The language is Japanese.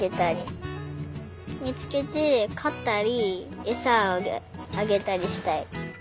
みつけてかったりえさをあげたりしたい。